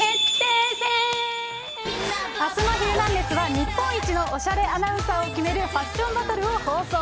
あすのヒルナンデス！は日本一のオシャレアナウンサーを決めるファッションバトルを放送。